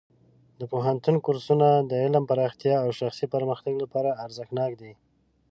د پوهنتون کورسونه د علم پراختیا او شخصي پرمختګ لپاره ارزښتناک دي.